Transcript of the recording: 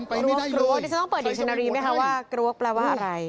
วันนี้ฉันต้องเปิดเด็กชนะรีไหมคะว่ากรวกแปลว่าอะไร